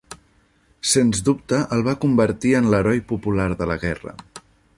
Sens dubte el va convertir en l'heroi popular de la guerra.